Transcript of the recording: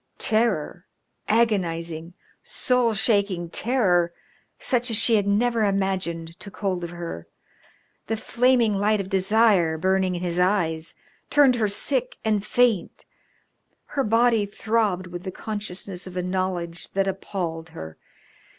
Terror, agonising, soul shaking terror such as she had never imagined, took hold of her. The flaming light of desire burning in his eyes turned her sick and faint. Her body throbbed with the consciousness of a knowledge that appalled her.